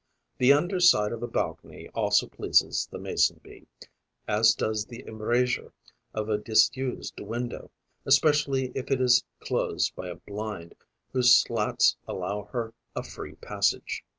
The under side of a balcony also pleases the Mason bee, as does the embrasure of a disused window, especially if it is closed by a blind whose slats allow her a free passage.